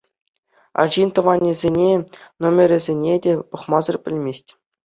Арҫын тӑванӗсене номерӗсене те пӑхмасӑр пӗлмест.